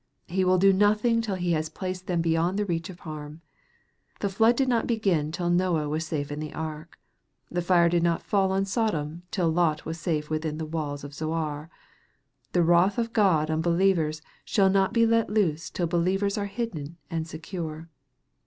He will do nothing till He has placed them beyond the reach of harm. The flood did not begin till Noah was safe in the ark. The fire did not fall on Sodom till Lot was safe within the walls of Zoar. The wrath of God on believers shall not be let loose till believers are hidden and secure.